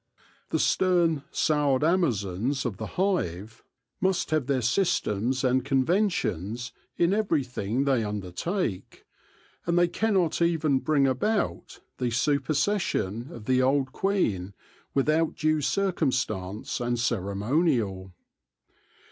The stern, soured amazons of D 2 So THE LORE OF THE HONEY BEE the hive must have their systems and conventions in everything they undertake ; and they cannot even bring about the supersession of the old queen without due circumstance and ceremonial.